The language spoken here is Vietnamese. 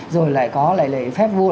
rồi lại có lại lấy phép vua